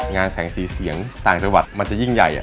งานแสงสีเสียงต่างจังหวัดมันจะยิ่งใหญ่